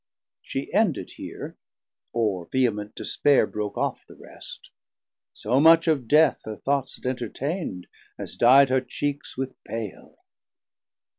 She ended heer, or vehement despaire Broke off the rest; so much of Death her thoughts Had entertaind, as di'd her Cheeks with pale.